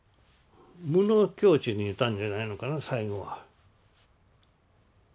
無の境地にいたんじゃないのかな最後は。